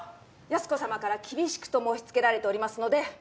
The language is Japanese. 八寿子さまから厳しくと申し付けられておりますので。